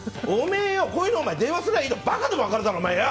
こういうの電話すりゃいいってバカでも分かるだろうよ！